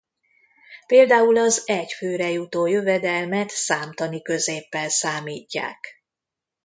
Például az egy főre jutó jövedelmet számtani középpel számítják.